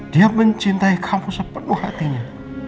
dia mencintai kamu sepenuh hatinya